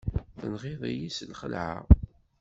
Tenɣiḍ-iyi s lxeεla!